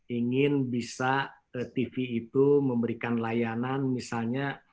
ingin bisa tv itu memberikan layanan misalnya